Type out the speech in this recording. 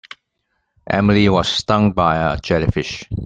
Emily was stung by a jellyfish.